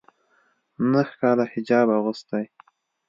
ا نهه کاله حجاب اغوستی